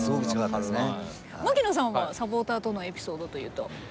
槙野さんはサポーターとのエピソードというと。